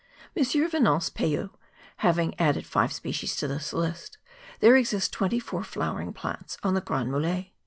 M. Venance Payot having added five species to this list, tliere exist twenty four flowering plants on the Grand Mulets.